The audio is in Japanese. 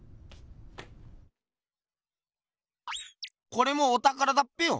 これもおたからだっぺよ。